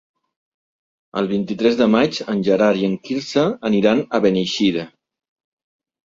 El vint-i-tres de maig en Gerard i en Quirze aniran a Beneixida.